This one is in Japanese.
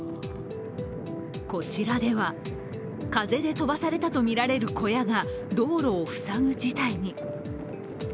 こちらでは、風で飛ばされたとみられる小屋が道路を塞ぐ事態に。